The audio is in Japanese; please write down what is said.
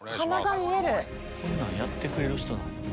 こんなんやってくれる人なの？